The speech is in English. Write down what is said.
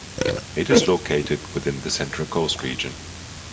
It is located within the Central Coast region.